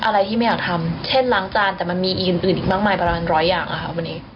อะไรที่ไม่อยากทำเช่นล้างจานแต่มันมีอีกอื่นอีกมากมายประมาณร้อยอย่างค่ะวันนี้